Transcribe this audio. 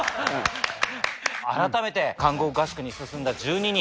改めて韓国合宿に進んだ１２人。